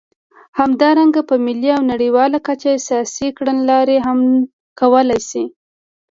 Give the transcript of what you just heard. همدارنګه په ملي او نړیواله کچه سیاسي کړنلارې هم کولای شي.